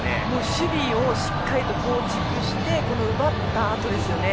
守備をしっかりと構築して奪ったあとですよね。